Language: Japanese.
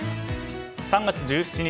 ３月１７日